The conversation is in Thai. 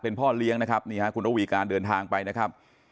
เป็นพ่อเลี้ยงนะครับคุณระวีการก็เดินทางไปนะครับ